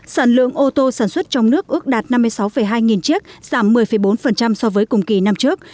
sản lượng ô tô sản xuất trong nước ước đạt năm mươi sáu hai nghìn chiếc giảm một mươi bốn so với cùng kỳ năm trước